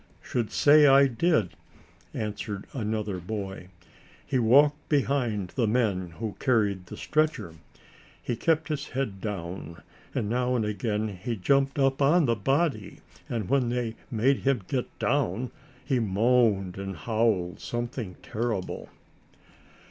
"Should say I did," answered another boy; "he walked behind the men who carried the stretcher. He kept his head down, and now and again he jumped up on the body, and when they made him get down he moaned and howled something terrible."